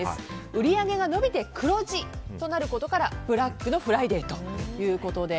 売り上げが伸びて黒字となることからブラックのフライデーということで。